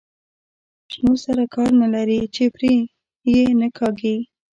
شنو سره کار نه لري چې پرې یې نه کاږي.